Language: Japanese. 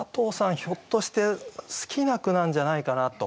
ひょっとして好きな句なんじゃないかなと。